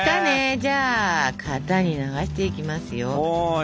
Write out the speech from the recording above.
じゃあ型に流していきますよ。